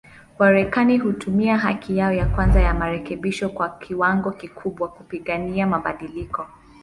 Wamarekani hutumia haki yao ya kwanza ya marekebisho kwa kiwango kikubwa, kupigania mabadiliko.